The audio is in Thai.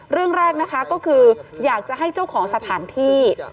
เรื่องแรกนะคะก็คืออยากจะให้เจ้าของสถานที่